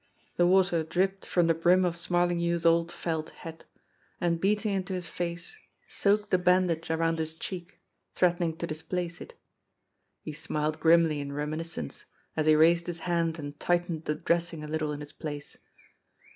The water dripped from the brim of Smarlinghue's old felt hat, and beating into his face soaked the bandage around his cheek, threatening to displace it. He smiled grimly in reminiscence, as he raised his hand and tightened the dressing a little in its place.